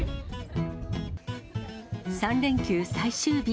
３連休最終日。